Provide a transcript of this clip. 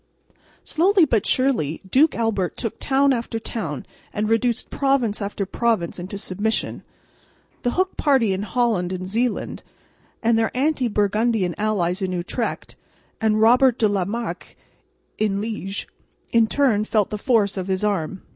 Slowly but surely Duke Albert took town after town and reduced province after province into submission. The Hook party in Holland and Zeeland, and their anti Burgundian allies in Utrecht, and Robert de la Marck in Liège, in turn felt the force of his arm.